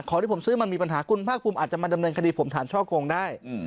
ที่ผมซื้อมันมีปัญหาคุณภาคภูมิอาจจะมาดำเนินคดีผมฐานช่อโกงได้